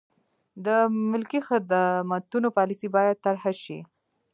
د ملکي خدمتونو پالیسي باید طرحه شي.